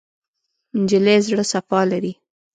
نجلۍ زړه صفا لري.